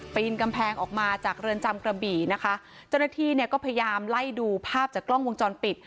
ปีนกำแพงออกมาจากเรือนจำกระบี่นะคะเจ้าหน้าที่เนี่ยก็พยายามไล่ดูภาพจากกล้องวงจรปิด